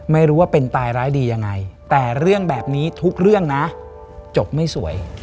ไม่รู้ว่าเป็นตายร้ายดียังไงแต่เรื่องแบบนี้ทุกเรื่องนะจบไม่สวย